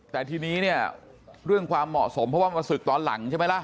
แต่ทีนี้เนี่ยเรื่องความเหมาะสมเพราะว่ามาศึกตอนหลังใช่ไหมล่ะ